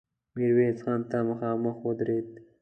ميرويس خان ته مخامخ ودرېد.